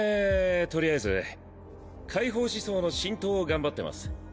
とりあえず解放思想の浸透をガンバってます。